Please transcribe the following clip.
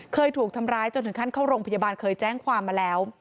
เคยถูกทำร้ายจนถึงขั้นเข้าโรงพยาบาลเคยแจ้งความมาแล้ว